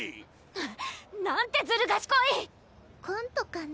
ななんてずるがしこいコントかな？